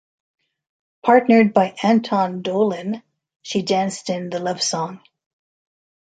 Partnered by Anton Dolin, she danced in "The Love Song".